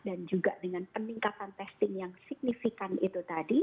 dan juga dengan peningkatan testing yang signifikan itu tadi